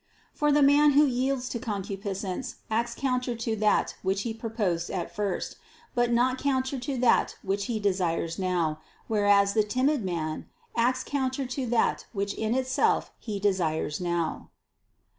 For the man who yields to concupiscence acts counter to that which he purposed at first, but not counter to that which he desires now; whereas the timid man acts counter to that which in itself he desires now.